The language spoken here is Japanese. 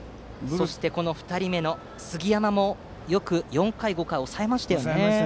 そして２人目の杉山もよく４回、５回を抑えました。